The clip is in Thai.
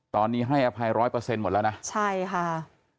ตอนนี้ให้อภัยร้อยเปอร์เซ็นหมดแล้วนะใช่ค่ะ